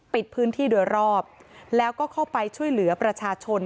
ปิดพื้นที่โดยรอบแล้วก็เข้าไปช่วยเหลือประชาชน